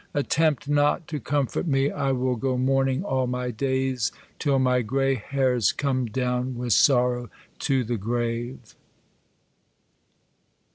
Attempt not to comfort me. I will go mourning all my days, till my grey hairs come down with sorrow to the grave.